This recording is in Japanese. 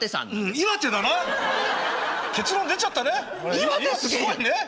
岩手すごいね。